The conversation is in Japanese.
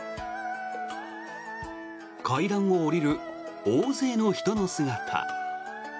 階段を下りる大勢の人の姿。